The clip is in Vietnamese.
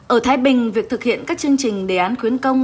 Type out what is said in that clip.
ở thái bình việc thực hiện các chương trình đề án khuyến công